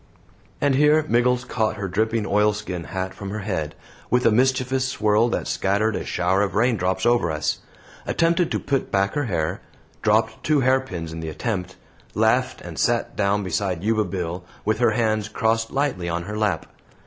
And here Miggles caught her dripping oilskin hat from her head, with a mischievous swirl that scattered a shower of raindrops over us; attempted to put back her hair; dropped two hairpins in the attempt; laughed and sat down beside Yuba Bill, with her hands crossed lightly on her lap.